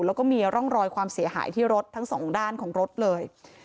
แล้วก็มีร่องรอยความเสียหายที่รถทั้งสองด้านของรถเลย